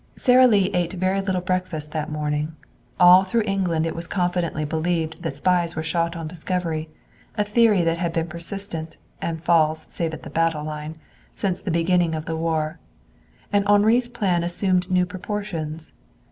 Sara Lee ate very little breakfast that morning. All through England it was confidently believed that spies were shot on discovery, a theory that has been persistent and false, save at the battle line since the beginning of the war. And Henri's plan assumed new proportions.